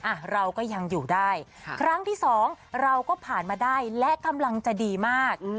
อ่ะเราก็ยังอยู่ได้ครั้งที่สองเราก็ผ่านมาได้และกำลังจะดีมาก